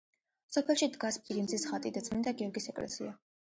სოფელში დგას პირიმზის ხატი და წმინდა გიორგის ეკლესია.